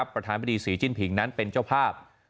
ประธานบดีศรีจิ้นผิงนั้นเป็นเจ้าภาพ